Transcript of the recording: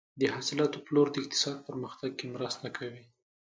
د حاصلاتو پلور د اقتصاد پرمختګ کې مرسته کوي.